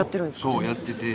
そうやってて。